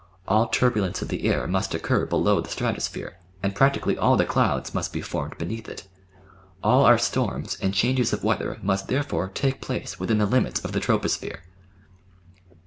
All tur bulence of the air must occur below the stratosphere, and practi cally all the clouds must be formed beneath it. All our storms and changes of weather must therefore take place within the limits of the troposphere.